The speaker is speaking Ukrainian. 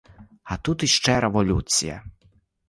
А тут іще революція.